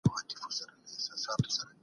ملکیت د انسان د ژوند یوه اساسي غوښتنه ده.